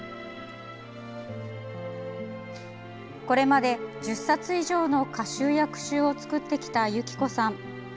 これまで１０冊以上の歌集や句集を作ってきた由起子さん。